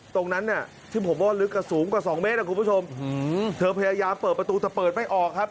ตรงนั้นเนี่ยที่ผมว่าลึกสูงกว่าสองเมตรนะคุณผู้ชมเธอพยายามเปิดประตูแต่เปิดไม่ออกครับ